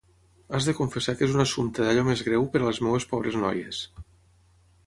Has de confessar que és un assumpte d'allò més greu per a les meves pobres noies.